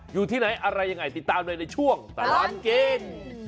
อยู่ที่ไหนอะไรยังไงติดตามเลยในช่วงตลอดกิน